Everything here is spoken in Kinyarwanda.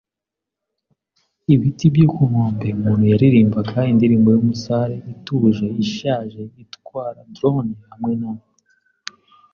ibiti byo ku nkombe. Umuntu yaririmbaga, indirimbo yumusare ituje, ishaje, itwara drone, hamwe na